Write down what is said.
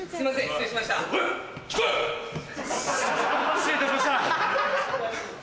失礼いたしました！